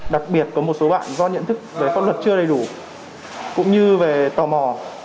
đặc biệt có một số bạn do nhận thức về pháp luật chưa đầy đủ cũng như về tò mò